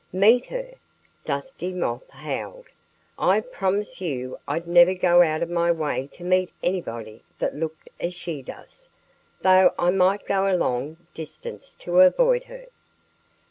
"Meet her!" Dusty Moth howled. "I promise you I'd never go out of my way to meet anybody that looked as she does though I might go a long distance to avoid her."